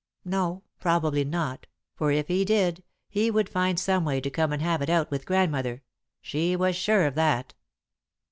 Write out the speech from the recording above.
No, probably not, for if he did, he would find some way to come and have it out with Grandmother she was sure of that.